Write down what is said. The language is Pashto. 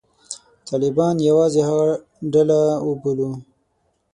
طالبان یوازې هغه ډله وبولو.